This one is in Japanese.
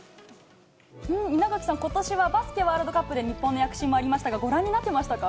稲垣さん、ことしはバスケワールドカップで日本の躍進もありましたが、ご覧になってましたか？